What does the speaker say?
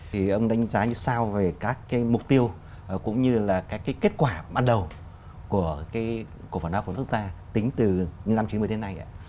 thì ông đánh giá như sao về các mục tiêu cũng như là các kết quả ban đầu của phần học của nước ta tính từ những năm chín mươi đến nay